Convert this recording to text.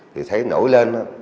thì thấy nổi lên